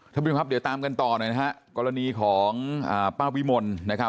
ท่านผู้ชมครับเดี๋ยวตามกันต่อหน่อยนะฮะกรณีของป้าวิมลนะครับ